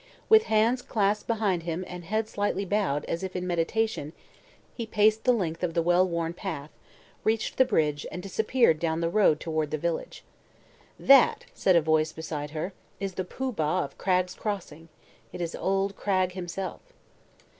With hands clasped behind him and head slightly bowed, as if in meditation, he paced the length of the well worn path, reached the bridge and disappeared down the road toward the village. "That," said a voice beside her, "is the Pooh Bah of Cragg's Crossing. It is old Cragg himself."